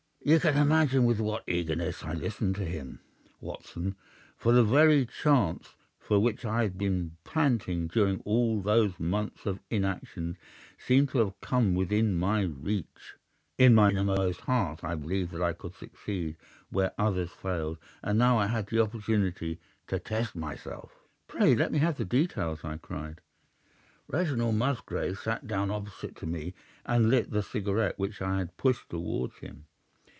"You can imagine with what eagerness I listened to him, Watson, for the very chance for which I had been panting during all those months of inaction seemed to have come within my reach. In my inmost heart I believed that I could succeed where others failed, and now I had the opportunity to test myself. "'Pray, let me have the details,' I cried. "Reginald Musgrave sat down opposite to me, and lit the cigarette which I had pushed towards him.